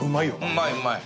うまいうまい。